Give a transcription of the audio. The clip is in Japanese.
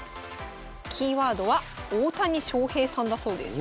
キーワードは大谷翔平さんだそうです。